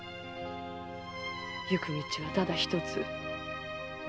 行く道はただ一つ。